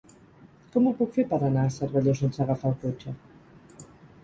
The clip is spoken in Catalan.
Com ho puc fer per anar a Cervelló sense agafar el cotxe?